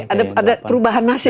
ada perubahan masih